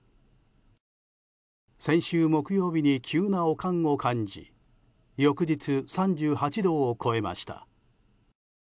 先週木曜日に急な悪寒を感じ翌日３８度を超えました。